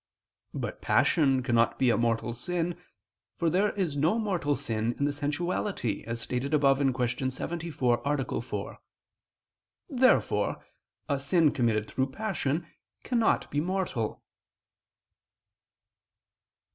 But passion cannot be a mortal sin, for there is no mortal sin in the sensuality, as stated above (Q. 74, A. 4). Therefore a sin committed through passion cannot be mortal.